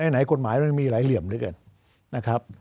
ไหนกฎหมายมันมีหลายเหลี่ยมด้วยกัน